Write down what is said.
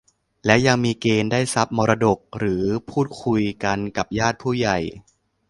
และยังมีเกณฑ์ได้ทรัพย์มรดก หรือพูดคุยกันกับญาติผู้ใหญ่